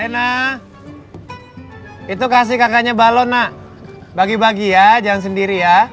nah itu kasih kakaknya balon na bagi bagi ya jangan sendiri ya